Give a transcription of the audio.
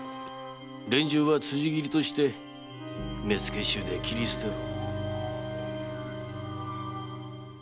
連中は辻斬りとして目付衆で斬り捨てろ。